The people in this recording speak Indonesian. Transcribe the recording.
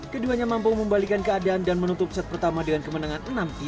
keduanya mampu membalikan keadaan dan menutup set pertama dengan kemenangan enam tiga